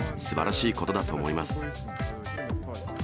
すばらしいことだと思います。